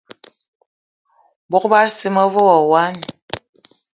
Bogb-assi me ve wo wine.